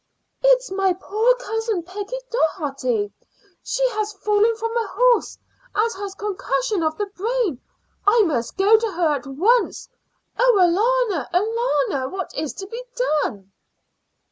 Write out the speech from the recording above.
"It's my poor cousin Peggy Doharty. She has fallen from her horse and has concussion of the brain. I must go to her at once. Oh, alannah, alannah! What is to be done?"